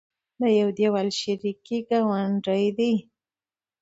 د يو دېول شریکې ګاونډۍ دي